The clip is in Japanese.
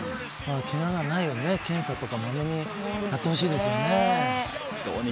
けがないように検査とかもやってほしいですね。